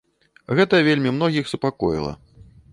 Гэта вельмі многіх супакоіла.